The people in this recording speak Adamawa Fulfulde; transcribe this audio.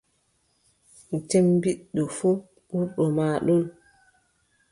No cemmbiɗɗo fuu, ɓurɗo ma ɗon.